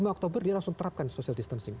lima oktober dia langsung terapkan social distancing